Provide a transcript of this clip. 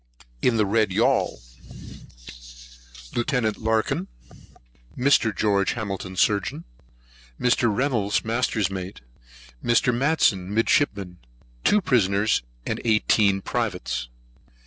In the Red Yaul: Lieut. Larkan, Mr. Geo. Hamilton, Surgeon, Mr. Reynolds, Master's Mate, Mr. Matson, Midshipman, Two Prisoners, Eighteen Privates.